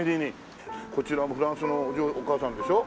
こちらもフランスのお嬢お母さんでしょ？